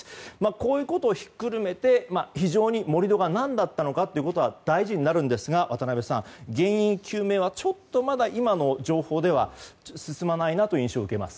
こういうことをひっくるめて非常に、盛り土が何だったのかが大事になるんですが渡辺さん、原因究明はちょっとまだ今の情報では進まない印象を受けます。